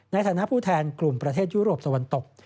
ในฐานะผู้แทนกลุ่มประเทศยุโรปตะวันตก